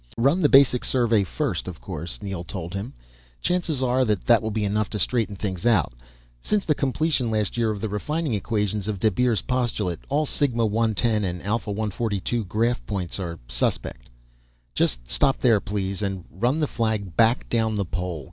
"Run the basic survey first, of course," Neel told him. "Chances are that that will be enough to straighten things out. Since the completion last year of the refining equations of Debir's Postulate, all sigma 110 and alpha 142 graph points are suspect " "Just stop there please, and run the flag back down the pole."